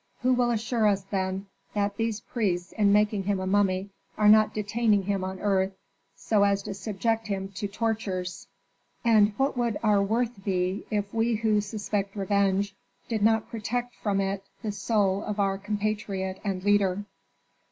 Who will assure us, then, that these priests in making him a mummy are not detaining him on earth so as to subject him to tortures? And what would our worth be if we who suspect revenge did not protect from it the soul of our compatriot and leader?"